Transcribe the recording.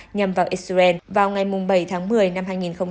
nhằm vào israel vào ngày bảy tháng một mươi năm hai nghìn hai mươi